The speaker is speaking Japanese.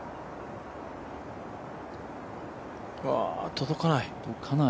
届かない。